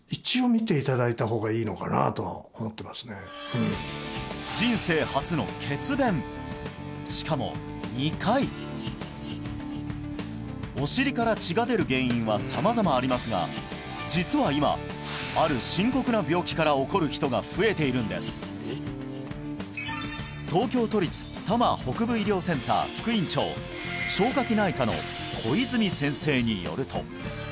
うん人生初の血便しかも２回お尻から血が出る原因は様々ありますが実は今ある深刻な病気から起こる人が増えているんです東京都立多摩北部医療センター副院長消化器